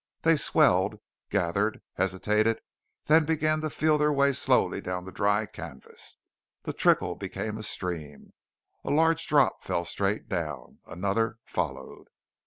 They swelled, gathered, hesitated, then began to feel their way slowly down the dry canvas. The trickle became a stream. A large drop fell straight down. Another followed.